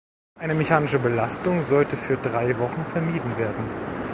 Eine mechanische Belastung sollte für drei Wochen vermieden werden.